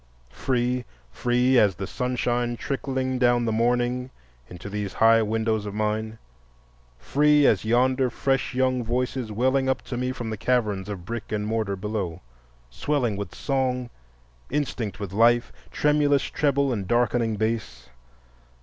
Free, free as the sunshine trickling down the morning into these high windows of mine, free as yonder fresh young voices welling up to me from the caverns of brick and mortar below—swelling with song, instinct with life, tremulous treble and darkening bass.